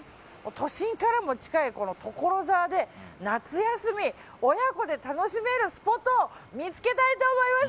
都心からも近い所沢で、夏休み親子で楽しめるスポットを見つけたいと思います。